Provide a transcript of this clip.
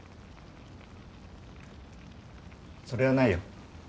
それはないよ。